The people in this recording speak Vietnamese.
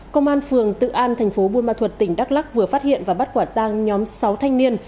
công an phường tự an thành phố buôn ma thuật tỉnh đắk lắc vừa phát hiện và bắt quả tang nhóm sáu thanh niên